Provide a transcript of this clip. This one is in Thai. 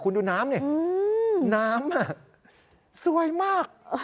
คุณดูน้ำนี่น้ำสวยมาก